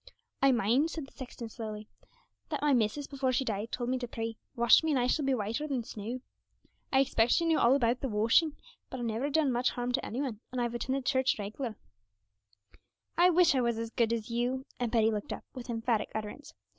'I mind,' said the sexton slowly, 'that my missus, before she died, told me to pray, "Wash me, and I shall be whiter than snow." I expect she knew all about the washing, but I've never done much harm to any one, and I've attended church reg'lar.' 'I wish I was as good as you.' And Betty looked up with emphatic utterance.